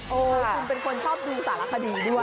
คุณเป็นคนชอบดูสารคดีด้วย